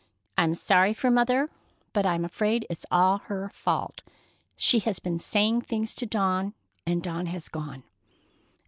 I'm sorry for Mother, but I'm afraid it's all her fault. She has been saying things to Dawn, and Dawn has gone!"